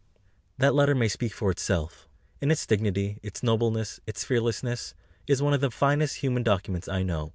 That letter may speak for itself. In its dignity, its nobleness, its fearlessness, it is one of the finest human documents I know.